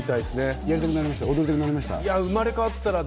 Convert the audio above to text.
やりたくなりました？